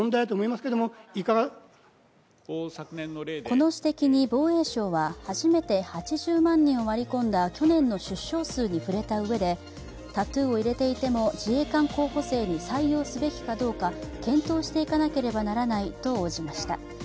この指摘に防衛省は、初めて８０万人を割り込んだ去年の出生数に触れたうえで、タトゥーを入れていても自衛官候補生に採用すべきかどうか検討していかなければならないと応じました。